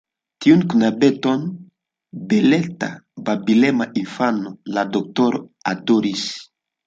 Tiun knabeton, beleta, babilema infano, la doktoro adoris.